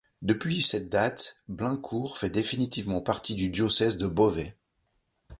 Depuis cette date, Blaincourt fait définitivement partie du diocèse de Beauvais.